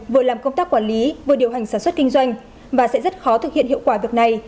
với điều hành sản xuất kinh doanh và sẽ rất khó thực hiện hiệu quả việc này